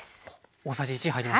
大さじ１入りました。